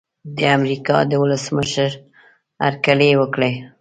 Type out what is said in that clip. د امریکا د ولسمشر هرکلی وکړي.